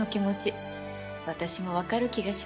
私も分かる気がします。